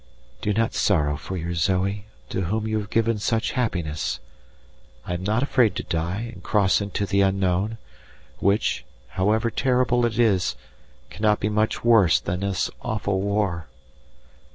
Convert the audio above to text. Do not sorrow for your Zoe, to whom you have given such happiness. I am not afraid to die and cross into the unknown, which, however terrible it is, cannot be much worse than this awful war.